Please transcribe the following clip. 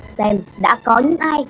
xem đã có những ai